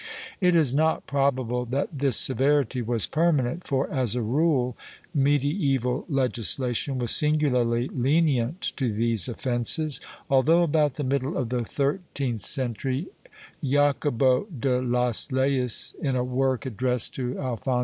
^ It is not probable that this severity was permanent for, as a rule, medieval legislation was singularly lenient to these offences, although, about the middle of the thirteenth century, Jacobo de las Leyes, in a work addressed to * Mariana, Hist, de Espana, Lib. vi, n.